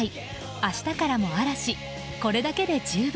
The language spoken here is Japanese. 明日からも嵐これだけで十分。